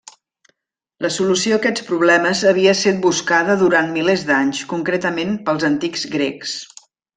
La solució a aquests problemes havia set buscada durant milers d'anys, concretament pels antics grecs.